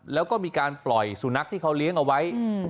แล้วก็มีการปล่อยสุนัขที่เขาเลี้ยงเอาไว้